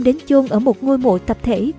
đến chôn ở một ngôi mộ tập thể